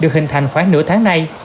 được hình thành khoảng nửa tháng nay